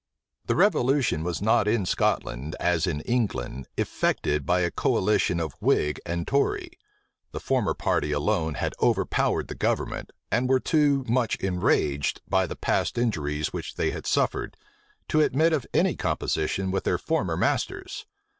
The revolution was not in Scotland, as in England, effected by a coalition of whig and tory: the former party alone had overpowered the government, and were too much enraged, by the past injuries which they had suffered, to admit of any composition with their former masters.